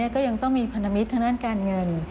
ก็ยังต้องมีพันธมิตรทางด้านการเงิน